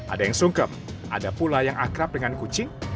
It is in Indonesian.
ada yang sungkep ada pula yang akrab dengan kucing